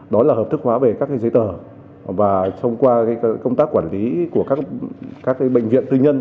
đó là hợp thức hóa về các giấy tờ và thông qua công tác quản lý của các bệnh viện tư nhân